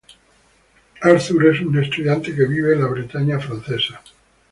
Arthur es un estudiante que vive en la Bretaña francesa.